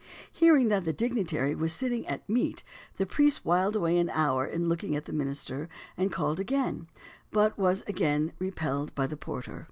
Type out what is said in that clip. Hearing that the dignitary was sitting at meat the priest whiled away an hour in looking at the minster, and called again, but was again "repelled by the porter."